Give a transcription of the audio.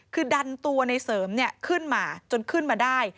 คือดันตัวในเสริมขึ้นมาจนขึ้นมาได้